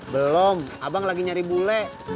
belum abang lagi nyari bule